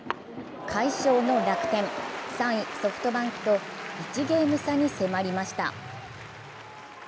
快勝の楽天、３位・ソフトバンクと１ゲーム差に迫りました。